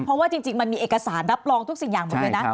เพราะว่าจริงมันมีเอกสารรับรองทุกสิ่งอย่างหมดเลยนะ